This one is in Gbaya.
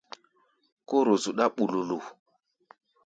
Kóro zuɗá ɓululu.